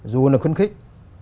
dù là khuyến khích